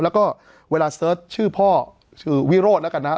แล้วก็เวลาเสิร์ชชื่อพ่อชื่อวิโรธแล้วกันนะครับ